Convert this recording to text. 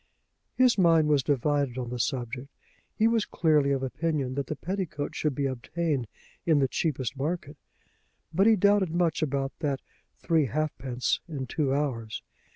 His mind was divided on the subject. He was clearly of opinion that the petticoat should be obtained in the cheapest market, but he doubted much about that three halfpence in two hours.